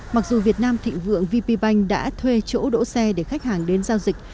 mặc dù việt nam thịnh vượng vp bank đã thuê chỗ đỗ xe để khách hàng đến giao dịch